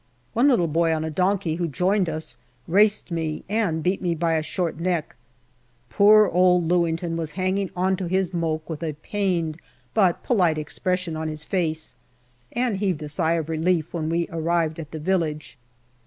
One little boy on a donkey, who joined us, raced me and beat me by a short neck. Poor old Lewington was hanging on to his moke with a pained but polite expression on his face, and heaved a sigh of relief when we arrived at the village.